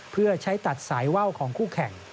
เพื่อใช้ตัดสายว่าวของคู่แข่ง